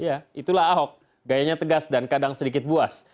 ya itulah ahok gayanya tegas dan kadang sedikit buas